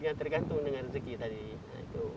ya tergantung dengan rezeki tadi